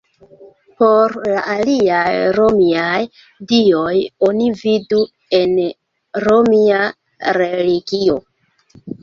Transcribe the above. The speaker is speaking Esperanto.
Por la aliaj romiaj dioj oni vidu en romia religio.